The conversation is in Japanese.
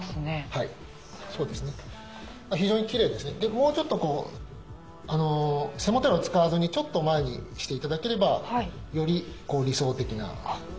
もうちょっと背もたれを使わずにちょっと前にして頂ければより理想的な形に。